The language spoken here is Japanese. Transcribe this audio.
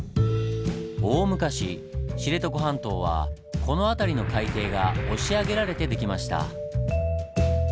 大昔知床半島はこの辺りの海底が押し上げられて出来ました。